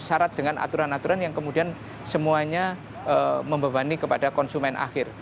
syarat dengan aturan aturan yang kemudian semuanya membebani kepada konsumen akhir